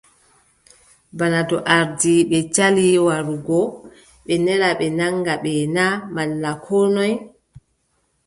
Bana to ardiiɓe cali warugo, ɓe nela ɓe naŋga ɓe na malla koo noy ?